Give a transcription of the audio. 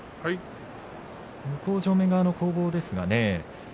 向正面側の攻防ですが。